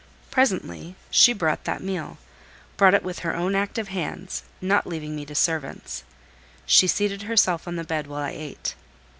Presently she brought that meal—brought it with her own active hands—not leaving me to servants. She seated herself on the bed while I ate.